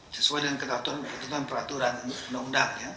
sesuai dengan ketentuan peraturan undang undang